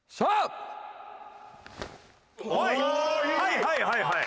はいはいはいはい！